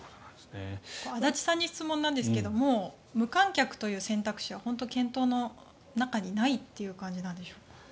足立さんに質問なんですが無観客という選択肢は本当に、検討の中にないという感じなんでしょうか？